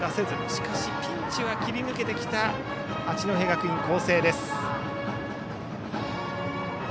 しかし、ピンチは切り抜けてきた八戸学院光星です。